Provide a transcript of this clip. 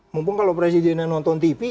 mumpung kalau presidennya nonton tv